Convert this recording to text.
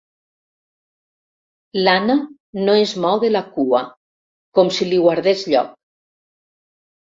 L'Anna no es mou de la cua, com si li guardés lloc.